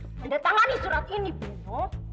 menandatangani surat ini bruno